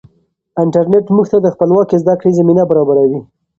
انټرنیټ موږ ته د خپلواکې زده کړې زمینه برابروي.